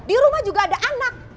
di rumah juga ada anak